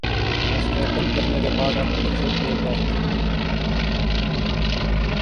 مستحکم کرنے کے بعد اب معیشت ٹیک آف کر چکی ہے